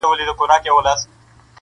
حقيقت څوک نه منل غواړي تل،